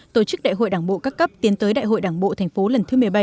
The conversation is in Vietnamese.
tổ chức đại hội đảng bộ các cấp tiến tới đại hội đảng bộ thành phố lần thứ một mươi bảy